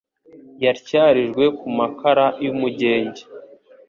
yatyarijwe ku makara y’umugenge